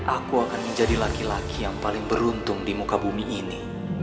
aku akan menjadi laki laki yang paling beruntung di muka bumi ini